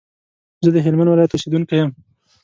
زه د هلمند ولايت اوسېدونکی يم